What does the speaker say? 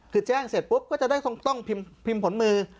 คือแจ้งเสร็จปุ๊บก็จะได้ต้องพิมพ์ผลมือ